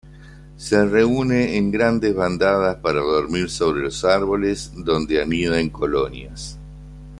Se reúne en grandes bandadas para dormir sobre los árboles, donde anida en colonias.